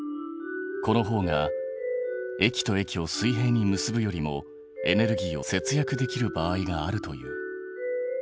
このほうが駅と駅を水平に結ぶよりもエネルギーを節約できる場合があるという。